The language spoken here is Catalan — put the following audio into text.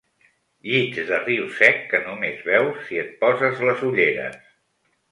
Llits de riu sec que només veus si et poses les ulleres.